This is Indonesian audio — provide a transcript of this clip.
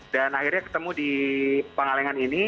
dan akhirnya ketemu di pangalengan ini